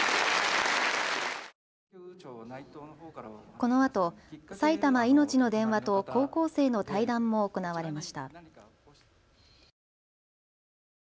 このあと埼玉いのちの電話と高校生の対談も行われました。